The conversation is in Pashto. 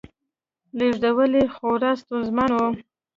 لېږدول یې خورا ستونزمن و